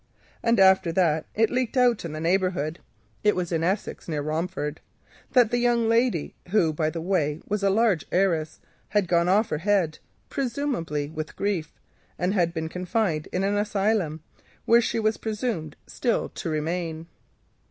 And after that it leaked out in the neighbourhood that the young lady, who by the way was a considerable heiress, had gone off her head, presumably with grief, and been confined in an asylum, where she was believed still to remain.